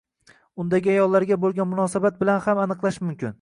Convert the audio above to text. Undagi ayollarga bo'lgan munosabat bilan ham aniqlash mumkin.